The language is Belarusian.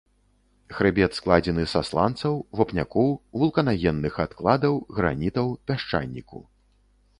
Хрыбет складзены са сланцаў, вапнякоў, вулканагенных адкладаў, гранітаў, пясчаніку.